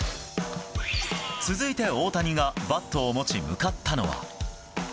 続いて大谷がバットを持ち、向かったのは。